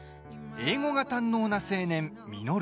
英語が堪能な青年・稔。